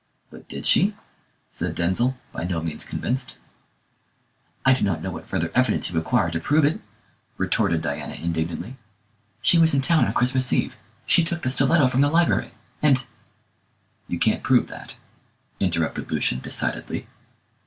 "But did she?" said Denzil, by no means convinced. "I do not know what further evidence you require to prove it," retorted Diana indignantly. "She was in town on Christmas Eve; she took the stiletto from the library, and " "You can't prove that," interrupted Lucian decidedly.